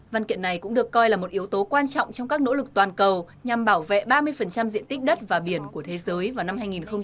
văn kiện này cũng được coi là một yếu tố quan trọng trong các nỗ lực toàn cầu nhằm bảo vệ ba mươi diện tích đất và biển của thế giới vào năm hai nghìn hai mươi